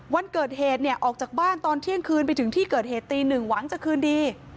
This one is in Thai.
วันเกิดเหตุเนี่ยออกจากบ้านตอนเที่ยงคืนไปถึงที่เกิดเหตุตีหนึ่งหวังจะคืนดี